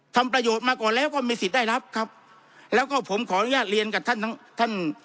ทำประโยชน์มาก่อนแล้วก็มีสิทธิ์ได้รับครับแล้วก็ผมขออนุญาตเรียนกับท่านทั้งท่านท่าน